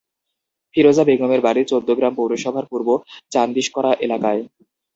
ফিরোজা বেগমের বাড়ি চৌদ্দগ্রাম পৌরসভার পূর্ব চান্দিশকরা এলাকায়।